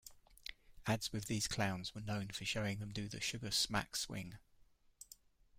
Ads with these clowns were known for showing them do the "Sugar Smack Swing".